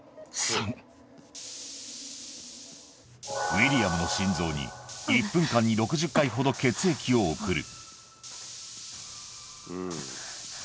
ウィリアムの心臓に、１分間に６０回ほど血液を送る。